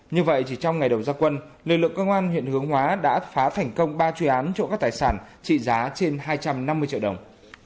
như vậy chỉ trong ngày đầu gia quân lực lượng công an huyện hướng hóa đã phá thành công ba chuyên án trộm các tài sản trị giá trên hai trăm năm mươi triệu đồng